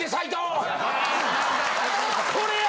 これや！